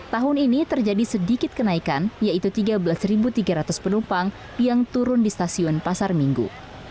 tahun ini terjadi sedikit kenaikan yaitu tiga belas tiga ratus penumpang yang turun di stasiun pasar minggu